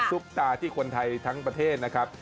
ซุปตาที่คนไทยทั้งประเทศนะครับ